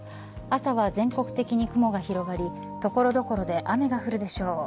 朝は全国的に雲が広がり所々で雨が降るでしょう。